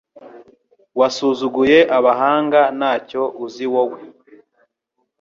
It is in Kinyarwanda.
wasuzuguye abahanga ntacyo uzi wowe